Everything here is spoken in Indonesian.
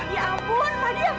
ya ampun pak dia